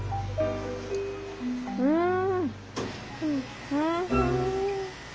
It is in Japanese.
うん！